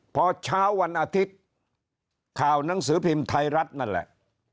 พอเช้าวันอาทิตย์ข่าวหนังสือพิมพ์ไทยรัฐนั่นแหละ